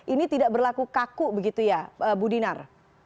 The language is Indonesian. ini tidak berlaku kaku begitu ya bu dinar